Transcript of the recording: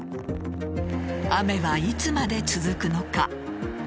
雨はいつまで続くのか。